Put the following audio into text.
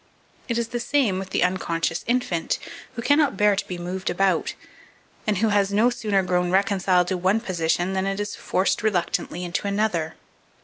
It is the same with the unconscious infant, who cannot bear to be moved about, and who has no sooner grown reconciled to one position than it is forced reluctantly into another.